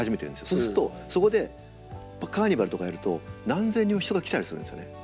そうするとそこでカーニバルとかやると何千人も人が来たりするんですよね。